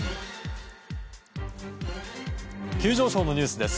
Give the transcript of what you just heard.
急上昇のニュースです。